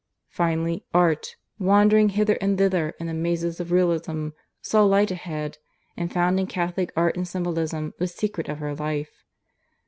Finally Art, wandering hither and thither in the mazes of Realism, saw light ahead, and found in Catholic Art and Symbolism the secret of her life.